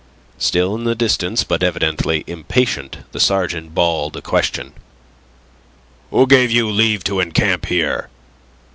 Still in the distance, but evidently impatient, the sergeant bawled a question. "Who gave you leave to encamp here?"